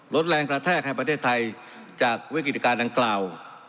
ลดแรงกระแทกแห่งประเทศไทยจากวิกฤติการดังกล่าว